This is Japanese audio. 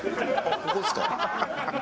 ここですか？